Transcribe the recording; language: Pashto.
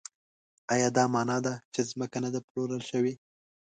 ایا دا مانا ده چې ځمکه نه ده پلورل شوې؟